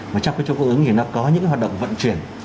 và trong các chỗ công ứng thì nó có những hoạt động vận chuyển